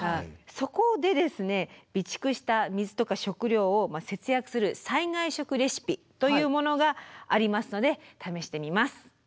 そこで備蓄した水とか食料を節約する災害食レシピというものがありますので試してみます。